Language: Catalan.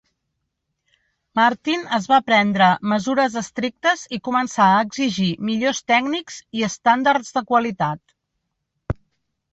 Martin es va prendre mesures estrictes i començà a exigir millors tècnics i estàndards de qualitat.